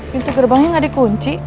pintu gerbangnya gak di kunci